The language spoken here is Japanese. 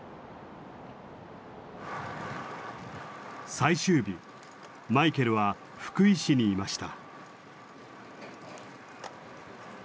最終日マイケルは福井市にいました。